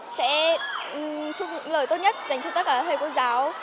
sẽ chúc lời tốt nhất dành cho tất cả các thầy cô giáo